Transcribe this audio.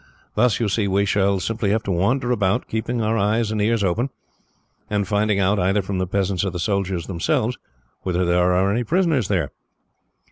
Thus, you see, we shall simply have to wander about, keeping our eyes and ears open, and finding out, either from the peasants or the soldiers themselves, whether there are any prisoners there."